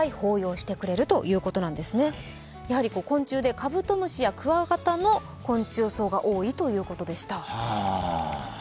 カブトムシやクワガタの昆虫葬が多いということでした。